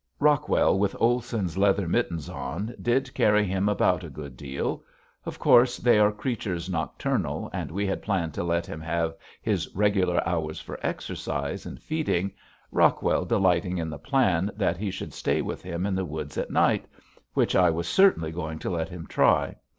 Rockwell with Olson's leather mittens on did carry him about a good deal. Of course they are creatures nocturnal and we had planned to let him have his regular hours for exercise and feeding, Rockwell delighting in the plan that he should stay with him in the woods at night, which I was certainly going to let him try.